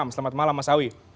selamat malam mas awi